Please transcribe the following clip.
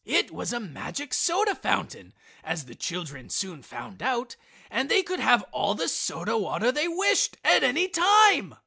It was a magic soda fountain, as the children soon found out, and they could have all the soda water they wished at any time.